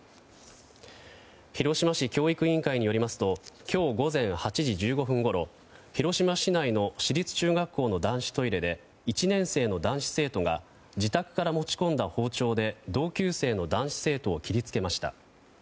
広島市教育委員会によりますと今日午前８時１５分ごろ広島市内の市立中学校の男子トイレで１年生の男子生徒が自宅から持ち込んだ包丁で同級生の男子生徒を切り付けました。